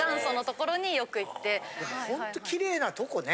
ほんときれいなとこね。